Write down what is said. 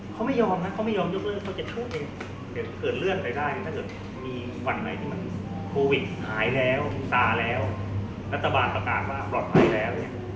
เขาไม่ยอมนะเขาไม่ยอมยกเลิกเขาจะช่วยเดี๋ยวเกิดเลื่อนไปได้ถ้าเกิดมีวันไหนที่มันโควิดหายแล้วตาแล้วรัฐบาลประกาศว่าปลอดภัยแล้วเนี่ย